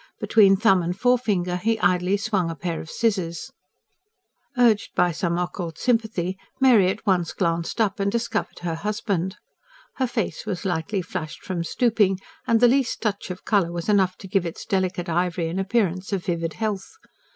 Between thumb and forefinger he idly swung a pair of scissors. Urged by some occult sympathy, Mary at once glanced up and discovered her husband. Her face was lightly flushed from stooping and the least touch of colour was enough to give its delicate ivory an appearance of vivid health.